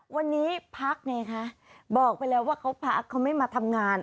วันนี้พักไงคะบอกไปแล้วว่าเขาพักเขาไม่มาทำงาน